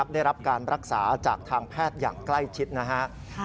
ได้รับการรักษาจากทางแพทย์อย่างใกล้ชิดนะครับ